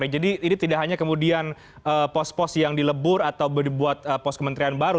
jadi ini tidak hanya kemudian pos pos yang dilebur atau dibuat pos kementerian baru